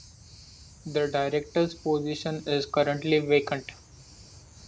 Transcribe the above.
The director's position is currently vacant.